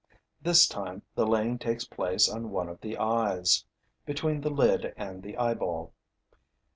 This time, the laying takes place on one of the eyes, between the lid and the eyeball.